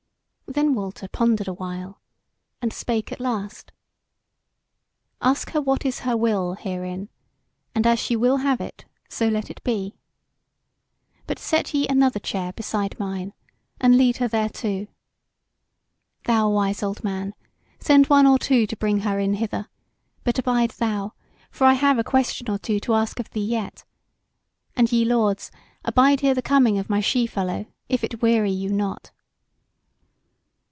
Then Walter pondered a while, and spake at last: "Ask her what is her will herein, and as she will have it, so let it be. But set ye another chair beside mine, and lead her thereto. Thou wise old man, send one or two to bring her in hither, but abide thou, for I have a question or two to ask of thee yet. And ye, lords, abide here the coming of my she fellow, if it weary you not."